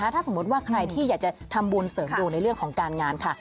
ถ้าสมมุติว่าใครที่อยากจะทำบุญเสริมดวงในเรื่องของการงานค่ะ